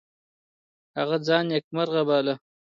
هغه ځان نیکمرغه باله.